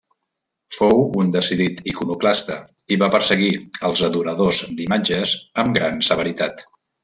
Fou un decidit iconoclasta i va perseguir els adoradors d'imatges amb gran severitat.